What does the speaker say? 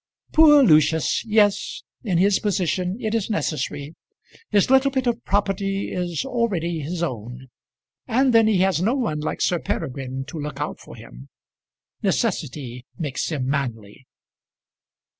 "Poor Lucius! yes; in his position it is necessary. His little bit of property is already his own; and then he has no one like Sir Peregrine to look out for him. Necessity makes him manly."